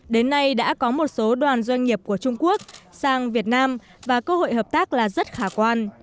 đến nay đã có một số đoàn doanh nghiệp của trung quốc sang việt nam và cơ hội hợp tác là rất khả quan